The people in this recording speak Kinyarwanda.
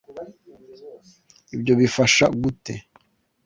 ibyo bifasha gute